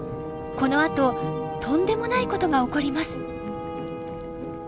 このあととんでもないことが起こります。